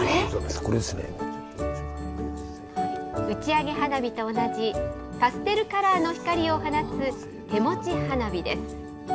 打ち上げ花火と同じ、パステルカラーの光を放つ手持ち花火です。